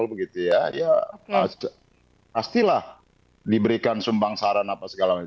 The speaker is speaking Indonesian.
ya pastilah diberikan sumbang saran apa segala macam